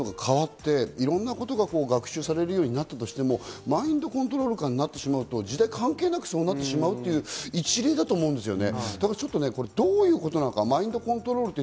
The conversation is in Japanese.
時代が変わって、いろんなことが学習されるようになったとしても、マインドコントロール下になってしまうと、時代と関係なく、そうなってしまうという一例だと思うんですよね。